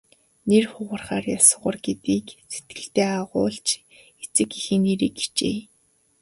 Нэр хугарахаар яс хугар гэдгийг сэтгэлдээ агуулж эцэг эхийн нэрийг хичээе.